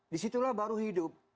disitulah baru hidup